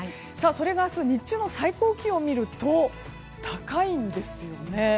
それが明日日中の最高気温見ると高いんですよね。